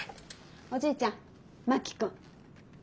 おじいちゃん真木君。